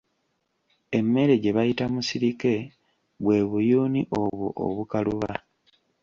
Emmere gye bayita musirike bwe buyuuni obwo obukaluba.